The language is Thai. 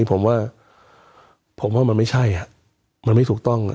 ผมว่าผมว่ามันไม่ใช่มันไม่ถูกต้อง